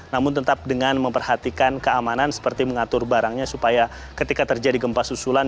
namun tetap dengan memperhatikan keamanan seperti mengatur barangnya supaya ketika terjadi gempa susulan